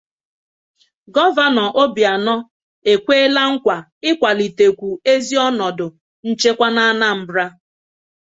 Gọvanọ Obianọ Ekwela Nkwa Ịkwàlitekwu Ezi Ọnọdụ Nchekwa n'Anambra